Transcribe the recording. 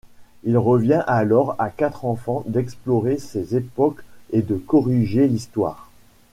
Il revient alors à quatre enfants d'explorer ces époques et de corriger l'Histoire.